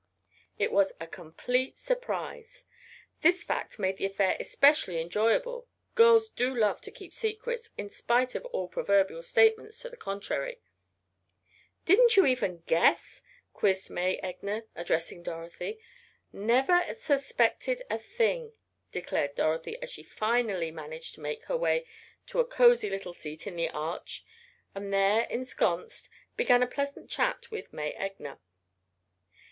It was a complete surprise. This fact made the affair especially enjoyable girls do love to keep secrets in spite of all proverbial statements to the contrary. "Didn't you even guess?" quizzed May Egner, addressing Dorothy. "Never suspected a thing," declared Dorothy, as she finally managed to make her way to a cozy little seat in the arch, and there ensconced, began a pleasant chat with May Egner.